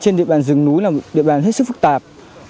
trên địa bàn rừng núi là một địa bàn hết sức phức tạp